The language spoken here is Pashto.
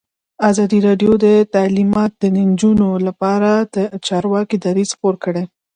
ازادي راډیو د تعلیمات د نجونو لپاره لپاره د چارواکو دریځ خپور کړی.